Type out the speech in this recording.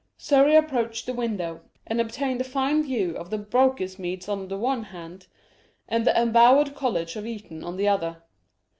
Surrey approached the window, and obtained a fine view of the Brocas meads on the one hand, and the embowered college of Eton on the other.